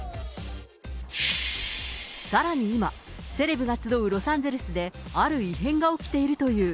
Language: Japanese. さらに今、セレブが集うロサンゼルスで、ある異変が起きているという。